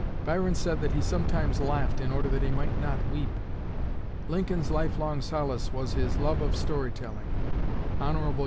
Byron said that he sometimes laughed in order that he might not weep. Lincoln's life long solace was his love of story telling. Hon.